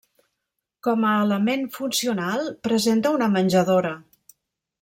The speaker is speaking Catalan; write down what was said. Com a element funcional presenta una menjadora.